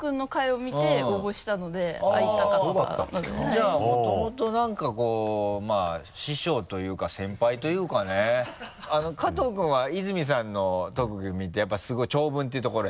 じゃあもともと何かこうまぁ師匠というか先輩というかね加藤君は泉さんの特技を見てすごい長文っていうところ？